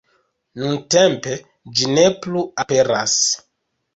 Nuntempe ĝi ne plu aperas.